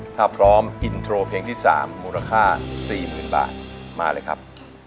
ถ้าพร้อมอินโทรเพลงที่๓มูลค่า๔๐๐๐บาทมาเลยครับ